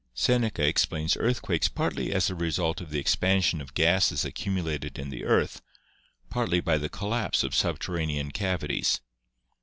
Seneca explains earthquakes partly as a result of the expansion of gases accumulated in the earth, partly by the collapse of subterranean cavities.